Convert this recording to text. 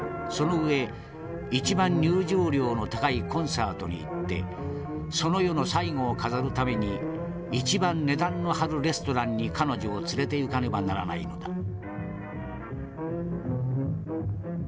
その上一番入場料の高いコンサートに行ってその夜の最後を飾るために一番値段の張るレストランに彼女を連れていかねばならないのだ」。